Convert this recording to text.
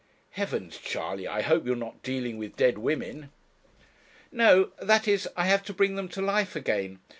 'Heavens, Charley! I hope you are not dealing with dead women.' 'No that is, I have to bring them to life again.